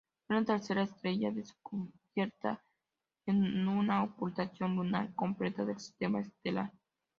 Una tercera estrella, descubierta en una ocultación lunar, completa el sistema estelar.